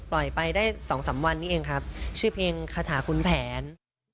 ไปได้สองสามวันนี้เองครับชื่อเพลงคาถาคุณแผน